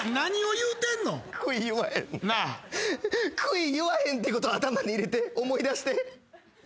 クイ言わへんってことを頭に入れて思い出して。